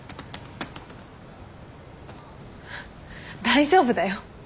大丈夫だよ。